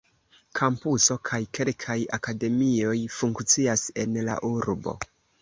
Kampuso kaj kelkaj akademioj funkcias en la urbo.